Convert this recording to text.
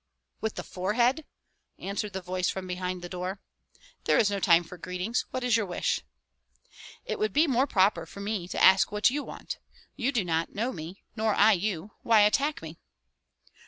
"With the forehead!" answered the voice from behind the door. "There is no time for greetings. What is your wish?" "It would be more proper for me to ask what you want. You do not know me, nor I you; why attack me?"